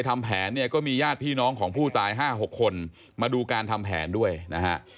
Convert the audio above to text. มาดูการทำแผนด้วยนะฮะ